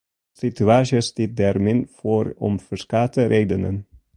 De situaasje stiet der min foar om ferskate redenen.